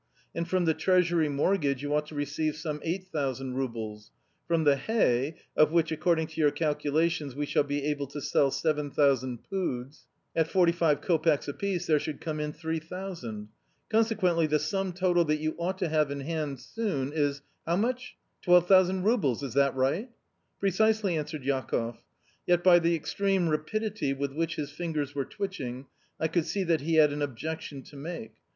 And from the Treasury mortgage you ought to receive some 8000 roubles. From the hay of which, according to your calculations, we shall be able to sell 7000 poods [The pood = 40 lbs.]at 45 copecks a piece there should come in 3000. Consequently the sum total that you ought to have in hand soon is how much? 12,000 roubles. Is that right?" "Precisely," answered Jakoff. Yet by the extreme rapidity with which his fingers were twitching I could see that he had an objection to make.